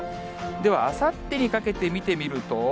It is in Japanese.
では、あさってにかけて見てみると。